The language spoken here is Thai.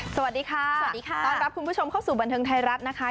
สวัสดีค่ะสวัสดีค่ะต้อนรับคุณผู้ชมเข้าสู่บันเทิงไทยรัฐนะคะ